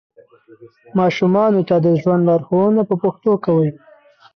ماشومانو ته د ژوند لارښوونه په پښتو کوئ.